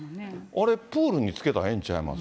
あれ、プールにつけたらええんちゃいます？